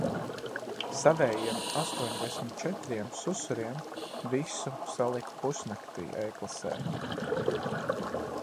Savējiem astoņdesmit četriem susuriem visu saliku pusnaktī e-klasē.